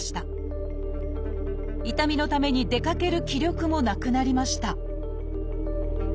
痛みのために出かける気力もなくなりました